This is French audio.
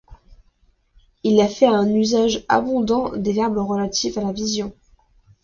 Il y fait un usage abondant des verbes relatifs à la vision.